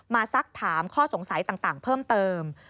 ซักถามข้อสงสัยต่างเพิ่มเติม